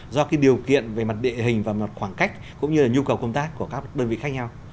do cái điều kiện về mặt địa hình và mặt khoảng cách cũng như là nhu cầu công tác của các đơn vị khác nhau